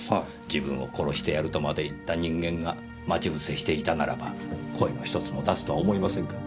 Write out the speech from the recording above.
自分を殺してやるとまで言った人間が待ち伏せしていたならば声のひとつも出すとは思いませんか。